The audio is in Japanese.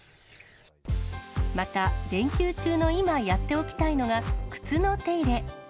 また、連休中の今やっておきたいのが靴の手入れ。